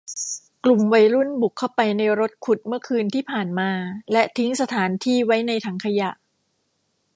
กลุ่มวัยรุ่นบุกเข้าไปในรถขุดเมื่อคืนที่ผ่านมาและทิ้งสถานที่ไว้ในถังขยะ